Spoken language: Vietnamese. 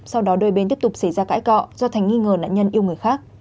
sau đó đôi bên tiếp tục xảy ra cãi cọ do thành nghi ngờ nạn nhân yêu người khác